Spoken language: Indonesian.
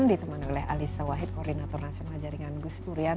diteman oleh alisa wahid koordinator nasional jaringan gus turian